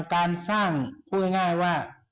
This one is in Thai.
การสร้างพูดง่ายว่า